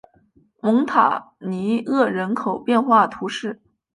蒙塔尼厄人口变化图示